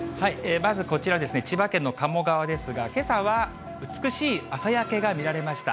まずこちらですね、千葉県の鴨川ですが、けさは美しい朝焼けが見られました。